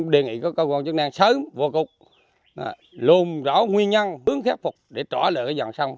đề nghị cơ quan chức năng sớm vô cục luôn rõ nguyên nhân hướng khép phục để trỏ lỡ dòng sông